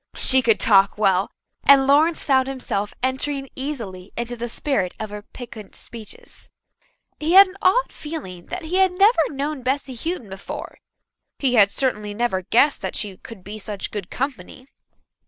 She could talk well, and Lawrence found himself entering easily into the spirit of her piquant speeches. He had an odd feeling that he had never known Bessy Houghton before; he had certainly never guessed that she could be such good company.